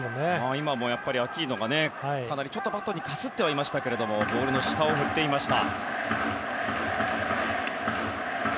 今もアキーノがバットにはかすっていましたがボールの下を振っていました。